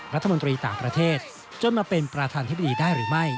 รัฐมนตรีต่างประเทศจนมาเป็นประธานธิบดีได้หรือไม่